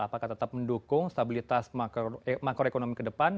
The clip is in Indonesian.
apakah tetap mendukung stabilitas makroekonomi ke depan